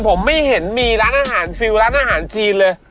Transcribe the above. ผมไม่เห็นมีร้านอาหารฟิลร้านอาหารจีนเลย